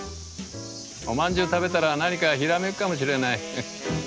お饅頭食べたら何かひらめくかもしれない。